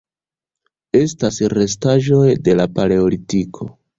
Estas restaĵoj de la Paleolitiko.